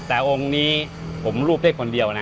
แต่องค์นี้ผมรูปได้คนเดียวนะ